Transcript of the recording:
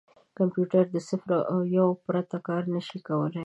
کمپیوټر د صفر او یو پرته کار نه شي کولای.